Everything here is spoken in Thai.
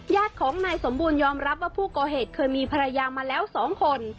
ญาติของนายสมบูรณยอมรับว่าผู้ก่อเหตุเคยมีภรรยามาแล้ว๒คน